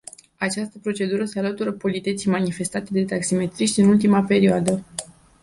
Această procedură se alătură politeții manifestate de taximetriști în ultima perioadă.